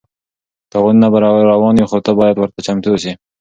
تاوانونه به راروان وي خو ته باید ورته چمتو اوسې.